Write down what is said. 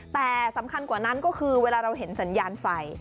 แต่สำคัญกว่านั้นก็คือเวลาเราเห็นสัญญาณไฟ